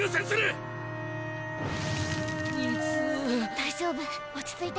大丈夫落ち着いて。